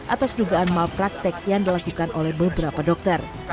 atas dugaan malpraktek yang dilakukan oleh beberapa dokter